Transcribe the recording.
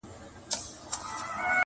ډیري وژړېدې بوري د زلمیانو پر جنډیو!!